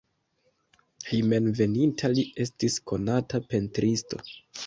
Hejmenveninta li estis konata pentristo.